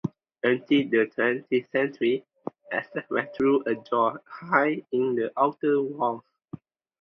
Until the twentieth century, access was through a door high in the outer walls.